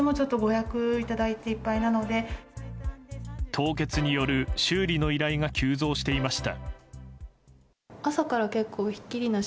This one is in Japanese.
凍結による修理の依頼が急増していました。